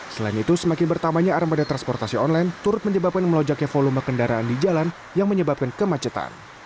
selain itu semakin bertambahnya armada transportasi online turut menyebabkan melojaknya volume kendaraan di jalan yang menyebabkan kemacetan